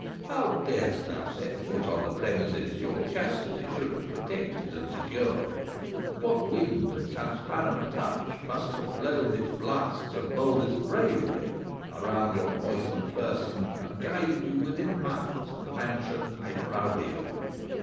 "How darest thou set foot on the premises your chastity should have protected and secured! What wind of transparent touch must have blown its blasts of boldest bravery around your poisoned person and guided you within miles of the mansion I proudly own?